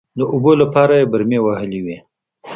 د اوبو لپاره يې برمې وهلې وې.